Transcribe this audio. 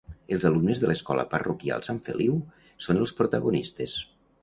Els alumnes de l'escola parroquial "Sant Feliu" són els protagonistes.